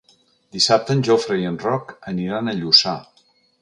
Dissabte en Jofre i en Roc aniran a Lluçà.